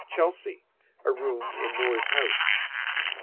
Chelsea. A Room in More's House.